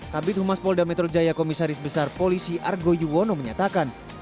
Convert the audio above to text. kabit humas polda metro jaya komisaris besar polisi argo yuwono menyatakan